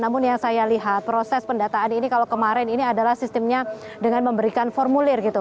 namun yang saya lihat proses pendataan ini kalau kemarin ini adalah sistemnya dengan memberikan formulir gitu